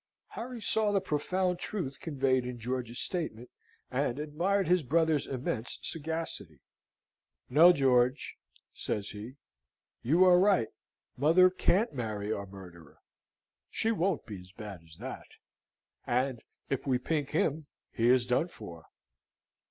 Harry saw the profound truth conveyed in George's statement, and admired his brother's immense sagacity. "No, George," says he, "you are right. Mother can't marry our murderer; she won't be as bad as that. And if we pink him he is done for.